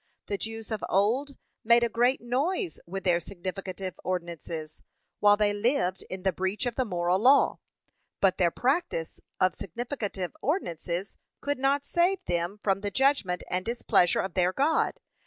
The Jews of old made a great noise with their significative ordinances, while they lived in the breach of the moral law, but their practice of significative ordinances could not save them from the judgment and displeasure of their God.